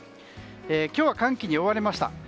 今日は寒気に覆われました。